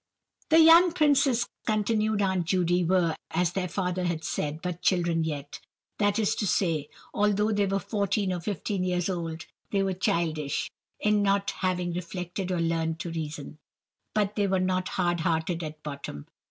"The young princes," continued Aunt Judy, were, as their father had said, but children yet; that is to say, although they were fourteen or fifteen years old, they were childish, in not having reflected or learnt to reason. But they were not hard hearted at bottom.